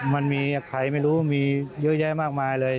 มันมีใครไม่รู้มีเยอะแยะมากมายเลย